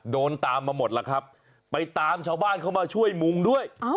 โดนตามมาหมดล่ะครับไปตามชาวบ้านเข้ามาช่วยมุงด้วย